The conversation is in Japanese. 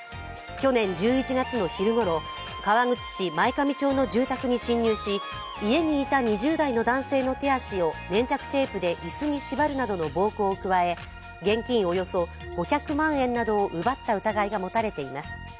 去年１１月の昼ごろ、川口市前上町の住宅に侵入し、家にいた２０代の男性の手足を粘着テープで椅子に縛るなどの暴行を加え、現金およそ５００万円などを奪った疑いがもたれています。